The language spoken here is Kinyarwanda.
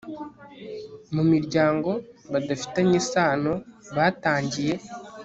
mu miryango badafitanye isano batangiye